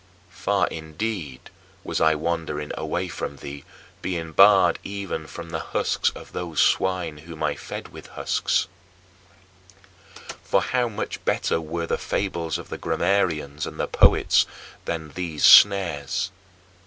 Far, indeed, was I wandering away from thee, being barred even from the husks of those swine whom I fed with husks. For how much better were the fables of the grammarians and poets than these snares [of the Manicheans]!